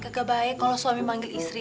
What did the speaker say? gagah baik kalau suami manggil istri